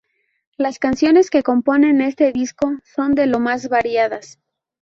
Las canciones que componen este disco son de lo más variadas.